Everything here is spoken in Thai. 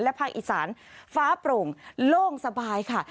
ภาคอีสานฟ้าโปร่งโล่งสบายค่ะ